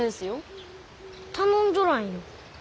頼んじょらんよ。